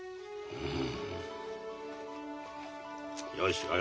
うん。